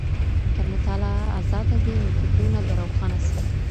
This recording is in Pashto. که مطالعه ازاده وي، نو فکرونه به روښانه سي.